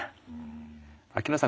秋野さん